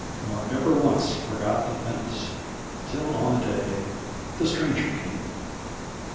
Nor ever once forgot the fence. Till on a day the Stranger came.